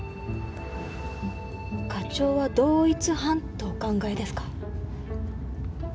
課長は同一犯とお考えですか？